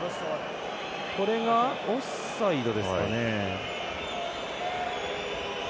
これがオフサイドですかね。